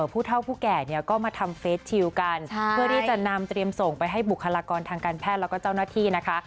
ผู้เท่าผู้แก่เนี่ยก็มาทำเฟสชิลกันเพื่อที่จะนำเตรียมส่งไปให้บุคลากรทางการแพทย์แล้วก็เจ้าหน้าที่นะคะ